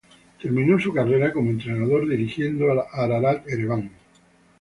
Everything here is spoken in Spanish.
Terminó su carrera como entrenador dirigiendo al Ararat Ereván.